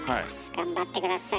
頑張って下さい。